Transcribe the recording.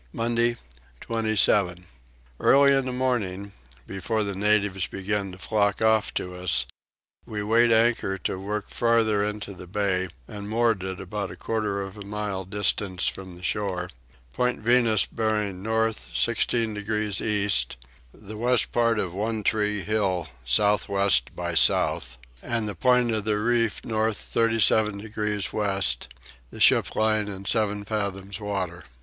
Monday 27. Early in the morning, before the natives began to flock off to us, we weighed anchor to work farther into the bay, and moored at about a quarter of a mile distance from the shore; Point Venus bearing north 16 degrees east; the west part of One tree hill south west by south; and the point of the reef north 37 degrees west; the ship lying in seven fathoms water.